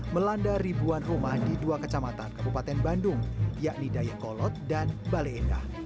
melanda ribuan rumah di dua kecamatan kabupaten bandung yakni dayakolot dan baleendah